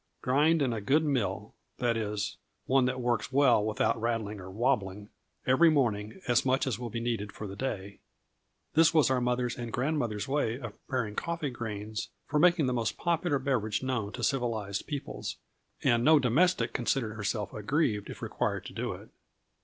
Grind in a good mill i.e., one that works well without rattling or "wobbling" every morning as much as will be needed for the day. This was our mothers' and grandmothers' way of preparing coffee grains for making the most popular beverage known to civilized peoples, and no domestic considered herself aggrieved if required to do it.